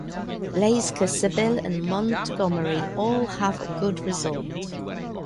Laiseka, Sevilla and Montgomery all have a good result.